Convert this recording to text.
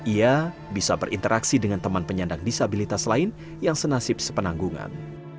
ia bisa berinteraksi dengan teman penyandang disabilitas lain yang senasib sepenanggungan